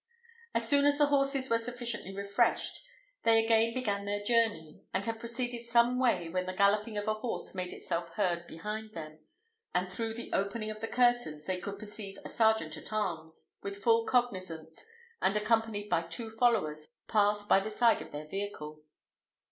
As soon as the horses were sufficiently refreshed, they again began their journey, and had proceeded some way when the galloping of a horse made itself heard behind them, and through the opening of the curtains they could perceive a sergeant at arms, with full cognizance, and accompanied by two followers, pass by the side of their vehicle.